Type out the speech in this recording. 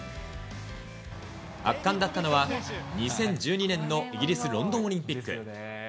圧巻だったのは、２０１２年のイギリスロンドンオリンピック。